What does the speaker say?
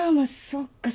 そうか。